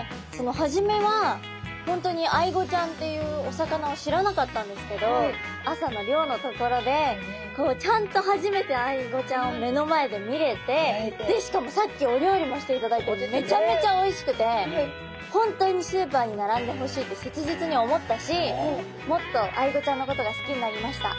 初めはホントにアイゴちゃんっていうお魚を知らなかったんですけど朝の漁のところでこうちゃんと初めてアイゴちゃんを目の前で見れてしかもさっきお料理もしていただいてめちゃめちゃおいしくてホントにスーパーに並んでほしいって切実に思ったしもっとアイゴちゃんのことが好きになりました。